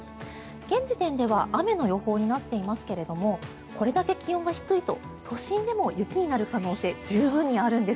現時点では雨の予報になっていますけれどもこれだけ気温が低いと都心でも雪になる可能性十分にあるんです。